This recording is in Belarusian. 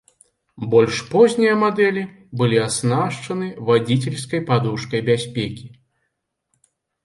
Больш познія мадэлі былі аснашчаны вадзіцельскай падушкай бяспекі.